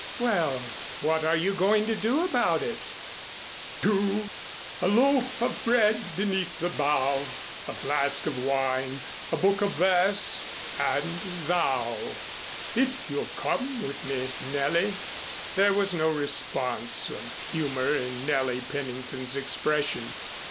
"Well, what are you going to do about it?" "Do? A Loaf of Bread beneath the Bough, A Flask of Wine, a Book of Verse and thou. If you'll come with me, Nellie." There was no response of humor in Nellie Pennington's expression.